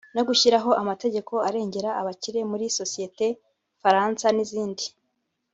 no gushyiraho amategeko arengera abakire muri sosiyete nfaransa n’izindi